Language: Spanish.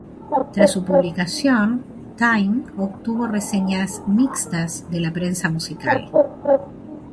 Tras su publicación, "Time" obtuvo reseñas mixtas de la prensa musical.